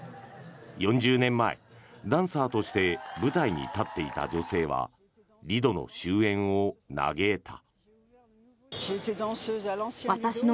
４０年前、ダンサーとして舞台に立っていた女性はリドの終えんを嘆いた。